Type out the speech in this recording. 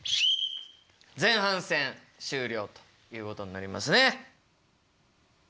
前半戦終了ということになりますね。